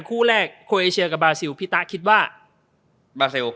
คู่แรกโครเอเชียกับบาซิลพี่ตะคิดว่าบาเซล